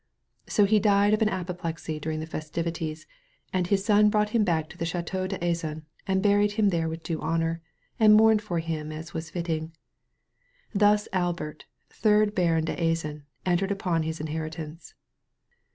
So he died of an apoplexy during the festivities, and his son brought him back to the Ch&teau d'Azan, and buried him there with due honor, and mourned for him as was fitting. Thus Albert, third Baron d'Azan, en tered upon his inheritance.